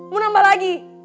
mau nambah lagi